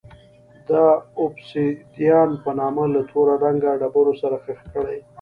د اوبسیدیان په نامه له تور رنګه ډبرو سره ښخ کړي.